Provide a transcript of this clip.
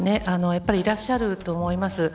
やっぱりいらっしゃると思います。